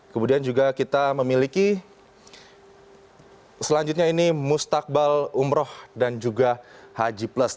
kemudian juga kita memiliki selanjutnya ini mustakbal umroh dan juga haji plus